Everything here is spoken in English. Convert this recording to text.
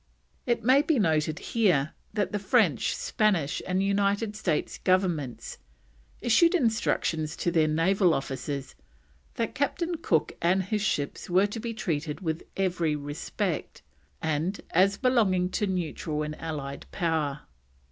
It may be noted here that the French, Spanish, and United States Governments issued instructions to their naval officers that Captain Cook and his ships were to be treated with every respect, and as belonging to a neutral and allied power.